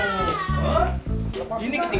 untuk mobile ke auraitan iya ung